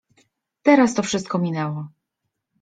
Teraz to wszystko minęło…